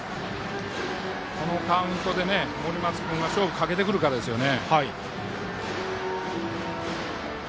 このカウントで、森松君が勝負をかけてくるかですよね。